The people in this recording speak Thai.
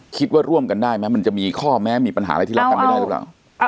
คิดว่าร่วมกันได้ไหมมันจะมีข้อแม้มีปัญหาอะไรที่รับกันไม่ได้หรือเปล่า